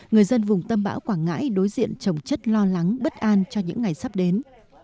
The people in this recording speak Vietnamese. người dân vùng tâm bão quảng ngãi đối diện trồng chất lo lắng bất an cho những ngày sắp đến